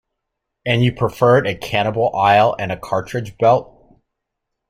And you preferred a cannibal isle and a cartridge belt.